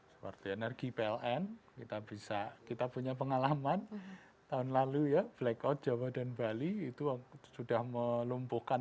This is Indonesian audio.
seperti energi pln kita bisa kita punya pengalaman tahun lalu ya blackout jawa dan bali itu sudah melumpuhkan